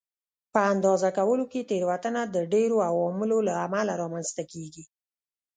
په اندازه کولو کې تېروتنه د ډېرو عواملو له امله رامنځته کېږي.